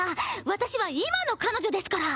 私は今の彼女ですから。